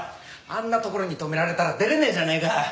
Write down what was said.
あんな所に止められたら出れねえじゃねえか。